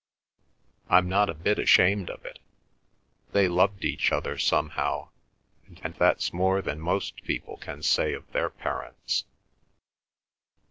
I'm not a bit ashamed of it. They loved each other anyhow, and that's more than most people can say of their parents."